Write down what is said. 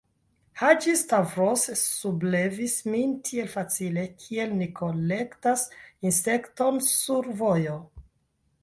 Haĝi-Stavros sublevis min tiel facile, kiel ni kolektas insekton sur vojo.